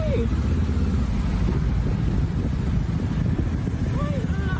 ต้องเกิดตรงนี้